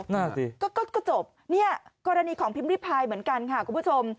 นั่นสิก็จบเนี่ยกรณีของพิมพ์ริพายเหมือนกันค่ะคุณผู้ชม